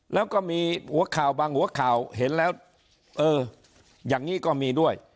แล้วก็มีหัวข่าวบางหัวข่าวเห็นแล้วเอออย่างนี้ก็มีด้วย